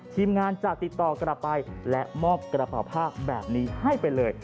ทีมงานจะติดต่อกลับไปและมอบกระเป๋าผ้าแบบนี้ให้ไปเลย